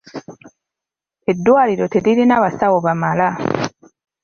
Eddwaliro teririna basawo bamala.